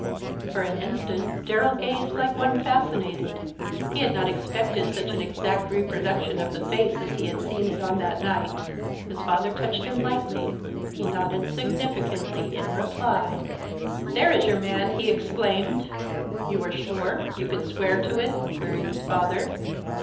For an instant Darrell gazed like one fascinated; he had not expected such an exact reproduction of the face as he had seen it on that night. His father touched him lightly; he nodded significantly in reply. "There is your man!" he exclaimed. "You are sure? You could swear to it?" queried his father.